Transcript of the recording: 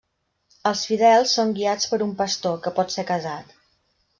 Els fidels són guiats per un pastor, que pot ser casat.